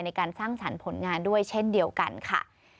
ในการสร้างสรรค์ผลงานด้วยเช่นเดียวกันค่ะ